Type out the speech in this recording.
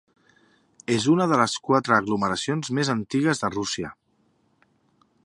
És una de les quatre aglomeracions més antigues de Rússia.